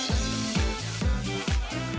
untuk membuang agar juga